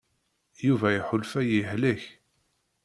Yuba iḥulfa yehlek.